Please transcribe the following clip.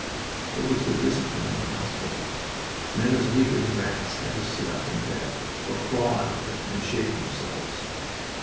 It was the discipline of the hospital. Men as weak as rats had to sit up in bed, or crawl out of it, and shave themselves.